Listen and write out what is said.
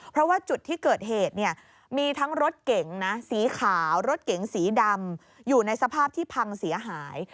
เพราะว่าจุดที่เกิดเหตุเนี่ยมีทั้งรถเก๋งนะสีขาวรถเก๋งสีดำอยู่ในสภาพที่พังเสียหาย